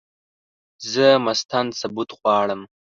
زه مستند ثبوت غواړم !